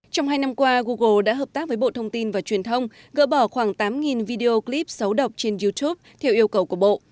trong hai năm qua google đã hợp tác với bộ thông tin và truyền thông gỡ bỏ khoảng tám video clip xấu độc trên youtube theo yêu cầu của bộ